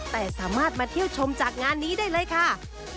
แต่สามารถมาเที่ยวชมจากงานนี้ได้เลยค่ะ